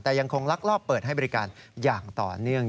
แต่ยังคงลักลอบเปิดให้บริการอย่างต่อเนื่อง